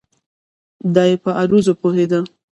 دای په عروضو پوهېده.